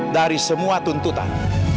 dari semua tuntutan